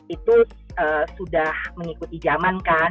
itu sudah mengikuti zaman kan